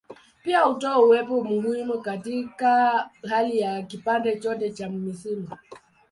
Pia hutoa uwepo muhimu katika hali ya kipande chote cha misimu.